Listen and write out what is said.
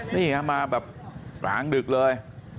นี่ฮะมาแบบกลางดึกเลย